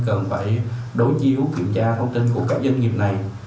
có chi hữu kiểm tra thông tin của các doanh nghiệp này